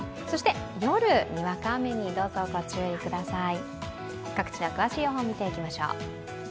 夜、にわか雨にどうぞ御注意ください。